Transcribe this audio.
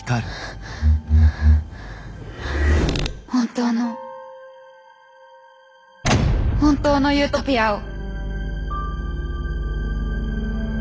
本当の本当のユートピアを。